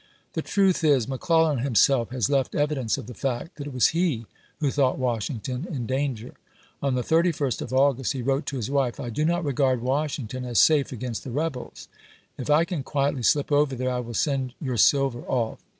The truth is, McClellan himself has left evidence of the fact that it was he who thought Washington in danger. On the 31st of August he wrote to his wife :" I do not regard Washington as safe against the rebels. If I can quietly slip over there I will send your silver off."